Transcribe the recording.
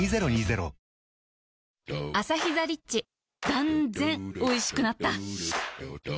断然おいしくなった